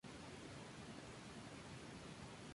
Michael Anthony Perry sucedió en este servicio a Mons.